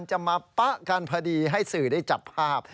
จะมาปะกันพอดีให้สื่อได้จับภาพ